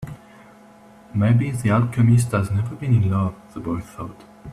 Maybe the alchemist has never been in love, the boy thought.